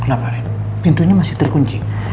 kenapa pintunya masih terkunci